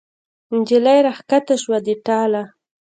نجلۍ را کښته شوه د ټاله